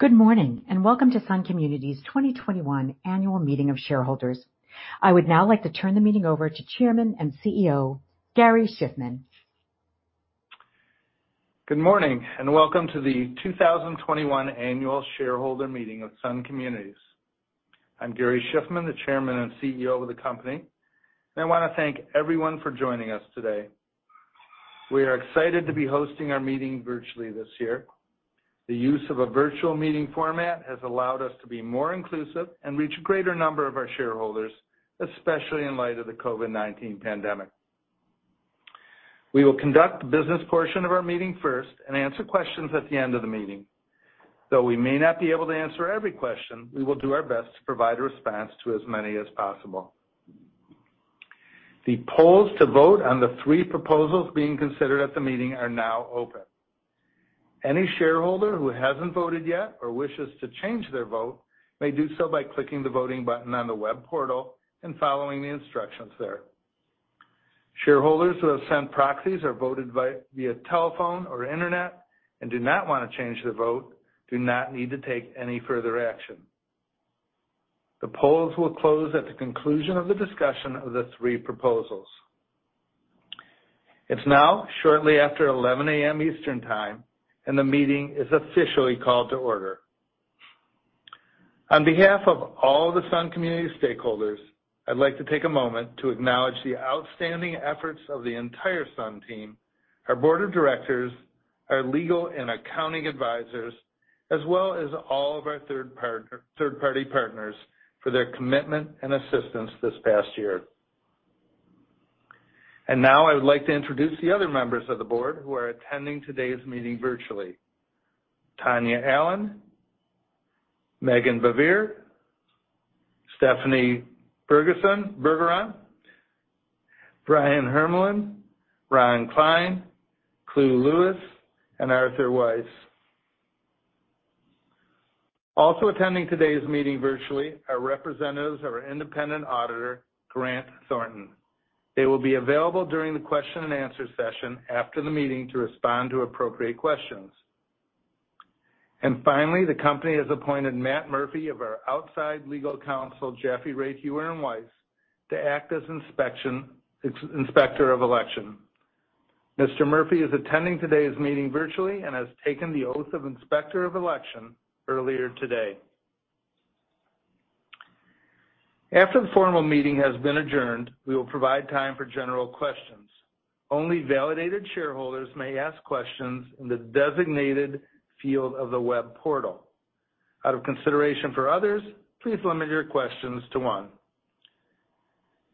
Good morning, welcome to Sun Communities' 2021 annual meeting of shareholders. I would now like to turn the meeting over to Chairman and CEO, Gary Shiffman. Good morning. Welcome to the 2021 annual shareholder meeting of Sun Communities. I'm Gary Shiffman, the Chairman and CEO of the company, and I want to thank everyone for joining us today. We are excited to be hosting our meeting virtually this year. The use of a virtual meeting format has allowed us to be more inclusive and reach a greater number of our shareholders, especially in light of the COVID-19 pandemic. We will conduct the business portion of our meeting first and answer questions at the end of the meeting. Though we may not be able to answer every question, we will do our best to provide a response to as many as possible. The polls to vote on the three proposals being considered at the meeting are now open. Any shareholder who hasn't voted yet or wishes to change their vote may do so by clicking the voting button on the web portal and following the instructions there. Shareholders who have sent proxies or voted via telephone or internet and do not want to change their vote do not need to take any further action. The polls will close at the conclusion of the discussion of the three proposals. It's now shortly after 11:00 A.M. Eastern Time, and the meeting is officially called to order. On behalf of all the Sun Communities stakeholders, I'd like to take a moment to acknowledge the outstanding efforts of the entire Sun team, our board of directors, our legal and accounting advisors, as well as all of our third-party partners for their commitment and assistance this past year. Now I'd like to introduce the other members of the board who are attending today's meeting virtually. Tonya Allen, Meghan Baivier, Stephanie Bergeron, Brian Hermelin, Ron Klein, Clunet Lewis, and Arthur Weiss. Also attending today's meeting virtually are representatives of our independent auditor, Grant Thornton. They will be available during the question and answer session after the meeting to respond to appropriate questions. Finally, the company has appointed Matt Murphy of our outside legal counsel, Jaffe, Raitt, Heuer & Weiss, to act as inspector of election. Mr. Murphy is attending today's meeting virtually and has taken the oath of inspector of election earlier today. After the formal meeting has been adjourned, we will provide time for general questions. Only validated shareholders may ask questions in the designated field of the web portal. Out of consideration for others, please limit your questions to one.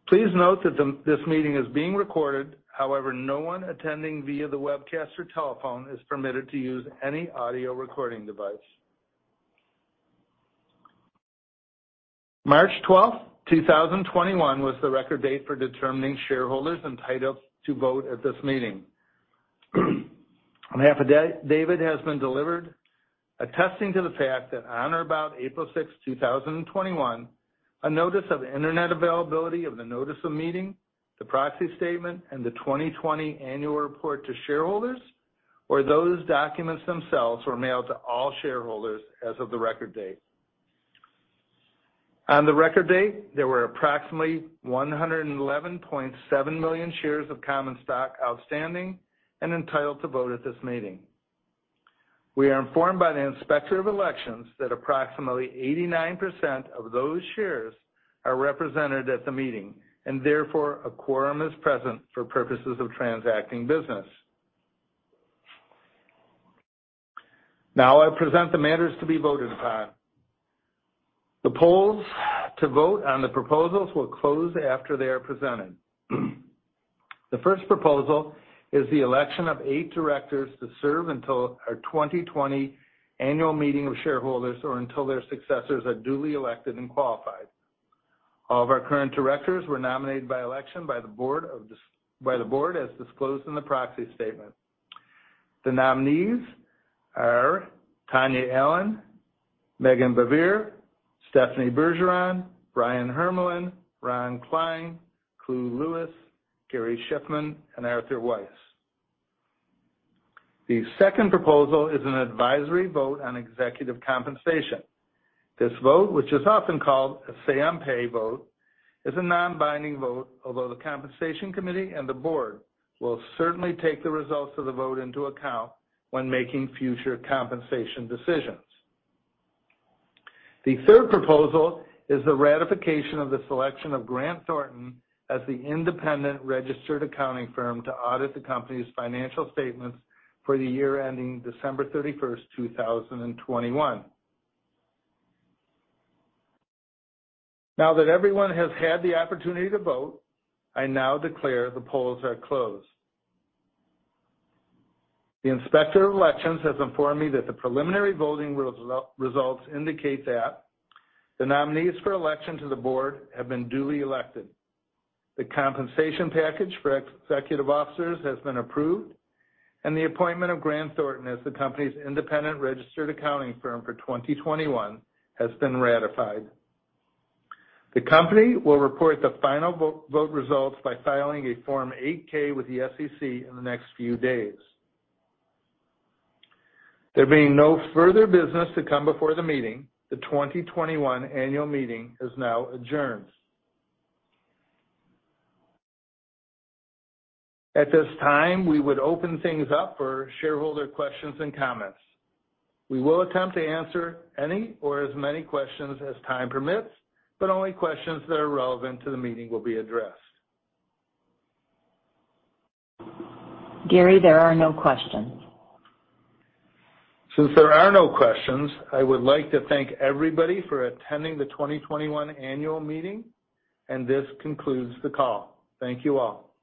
Please note that this meeting is being recorded. However, no one attending via the webcast or telephone is permitted to use any audio recording device. March 12th, 2021, was the record date for determining shareholders entitled to vote at this meeting. An affidavit has been delivered attesting to the fact that on or about April 6th, 2021, a notice of internet availability of the notice of meeting, the proxy statement, and the 2020 annual report to shareholders or those documents themselves were mailed to all shareholders as of the record date. On the record date, there were approximately 111.7 million shares of common stock outstanding and entitled to vote at this meeting. We are informed by the inspector of elections that approximately 89% of those shares are represented at the meeting, therefore, a quorum is present for purposes of transacting business. Now I present the matters to be voted on. The polls to vote on the proposals will close after they are presented. The first proposal is the election of eight directors to serve until our 2020 annual meeting of shareholders or until their successors are duly elected and qualified. All of our current directors were nominated by election by the board as disclosed in the proxy statement. The nominees are Tonya Allen, Meghan Baivier, Stephanie Bergeron, Brian Hermelin, Ron Klein, Clunet Lewis, Gary Shiffman, and Arthur Weiss. The second proposal is an advisory vote on executive compensation. This vote, which is often called a say on pay vote, is a non-binding vote, although the compensation committee and the board will certainly take the results of the vote into account when making future compensation decisions. The third proposal is the ratification of the selection of Grant Thornton as the independent registered accounting firm to audit the company's financial statements for the year ending December 31st, 2021. Now that everyone has had the opportunity to vote, I now declare the polls are closed. The inspector of elections has informed me that the preliminary voting results indicate that the nominees for election to the board have been duly elected. The compensation package for executive officers has been approved, and the appointment of Grant Thornton as the company's independent registered accounting firm for 2021 has been ratified. The company will report the final vote results by filing a Form 8-K with the SEC in the next few days. There being no further business to come before the meeting, the 2021 annual meeting is now adjourned. At this time, we would open things up for shareholder questions and comments. We will attempt to answer any or as many questions as time permits. Only questions that are relevant to the meeting will be addressed. Gary, there are no questions. Since there are no questions, I would like to thank everybody for attending the 2021 annual meeting, and this concludes the call. Thank you all.